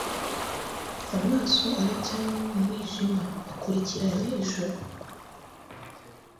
Amaso aracyanywa umwijima Bakurikiranye ijoro